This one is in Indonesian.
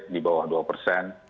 di bawah dua persen